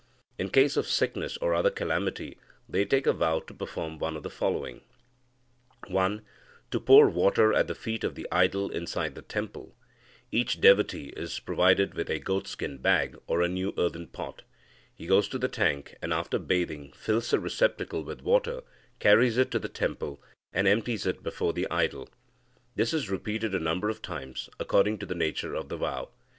In case of sickness or other calamity, they take a vow to perform one of the following: (1) To pour water at the feet of the idol inside the temple. Each devotee is provided with a goat skin bag, or a new earthen pot. He goes to the tank, and, after bathing, fills the receptacle with water, carries it to the temple, and empties it before the idol. This is repeated a number of times according to the nature of the vow.